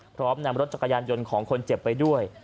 พร้อมนำรถจักรยานยนต์ของคนเจ็บไปด้วย